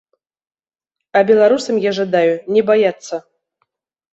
А беларусам я жадаю не баяцца.